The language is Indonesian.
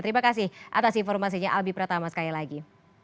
terima kasih atas informasinya albi pratama sekali lagi